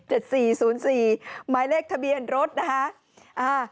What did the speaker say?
หมายเลขทะเบียนรถนะคะ